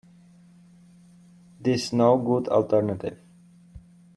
This no good alternative.